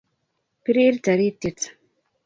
Pirir tarityet.